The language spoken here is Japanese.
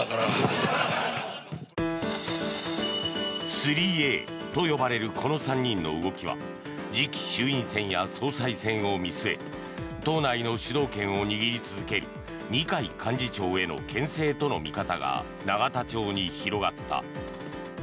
３Ａと呼ばれるこの３人の動きは次期衆院選や総裁選を見据え党内の主導権を握り続ける二階幹事長へのけん制との見方が永田町に広がった。